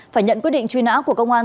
phải nhận quyết định truy nã của công an